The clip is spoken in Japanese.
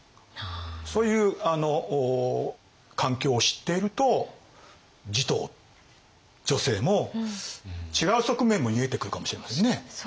そういう環境を知っていると持統女性も違う側面も見えてくるかもしれませんね。